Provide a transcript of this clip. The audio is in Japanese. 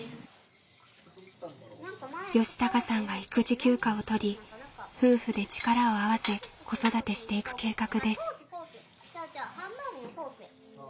良貴さんが育児休暇を取り夫婦で力を合わせ子育てしていく計画です。